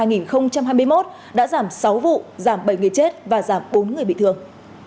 đã giảm sáu vụ giảm bảy người chết và giảm bốn người bị thương